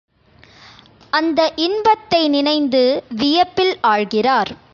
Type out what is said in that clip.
அந்த இன்பத்தை நினைந்து வியப்பில் ஆழ்கிறார்.